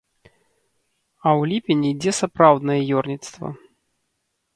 А ў ліпені ідзе сапраўднае ёрніцтва.